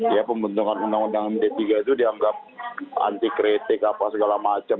ya pembentukan undang undang md tiga itu dianggap anti kritik apa segala macam